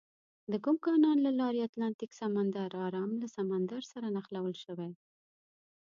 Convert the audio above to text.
د کوم کانال له لارې اتلانتیک سمندر ارام له سمندر سره نښلول شوي؟